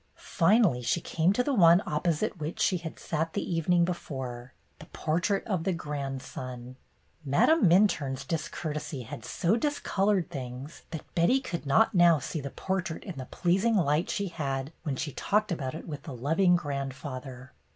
Finally she came to the one opposite to which she had sat the evening before, — the portrait of the grandson. Madame Minturne's discourtesy had so discolored things that Betty could not now see the portrait in the pleasing light she had when she talked about it with the loving grandfather.